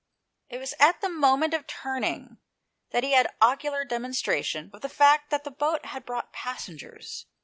It was at the raoment of turning that he had ocular demonstration of the fact that the boat had brought passengers.